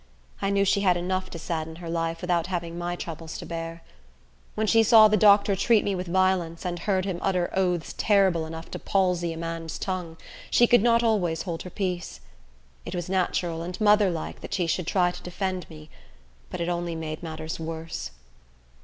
I knew she had enough to sadden her life, without having my troubles to bear. When she saw the doctor treat me with violence, and heard him utter oaths terrible enough to palsy a man's tongue, she could not always hold her peace. It was natural and motherlike that she should try to defend me; but it only made matters worse.